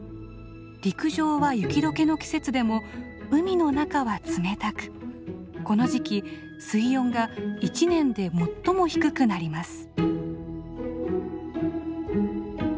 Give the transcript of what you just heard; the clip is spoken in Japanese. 陸上は雪解けの季節でも海の中は冷たくこの時期水温が一年で最も低くなります。